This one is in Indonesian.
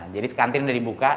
jadi kantin sudah dibuka